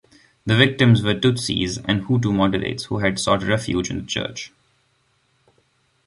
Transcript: The victims were Tutsis and Hutu moderates who had sought refuge in the church.